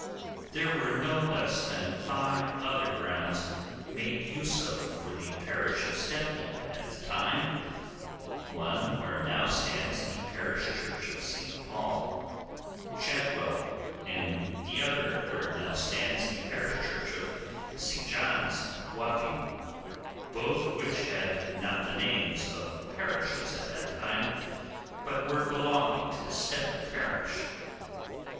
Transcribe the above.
There were no less than five other grounds made use of for the parish of Stepney at that time: one where now stands the parish church of St Paul, Shadwell, and the other where now stands the parish church of St John's at Wapping, both which had not the names of parishes at that time, but were belonging to Stepney parish.